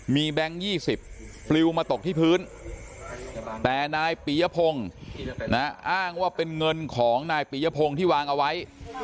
มีแบงค์๒๐ปลิวมาตกที่พื้นแต่นายปียพงศ์อ้างว่าเป็นเงินของนายปียพงศ์ที่วางเอาไว้